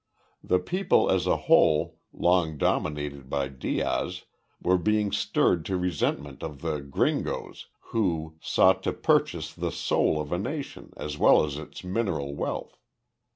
The people as a whole, long dominated by Diaz, were being stirred to resentment of the "Gringoes," who "sought to purchase the soul of a nation as well as its mineral wealth."